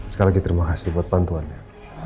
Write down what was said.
sekali lagi terima kasih buat bantuannya